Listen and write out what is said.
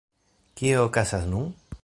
Kio okazas nun?